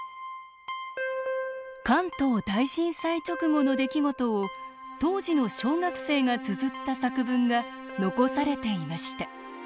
関東大震災直後の出来事を当時の小学生がつづった作文が残されていました。